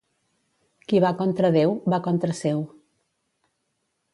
Qui va contra Déu, va contra seu.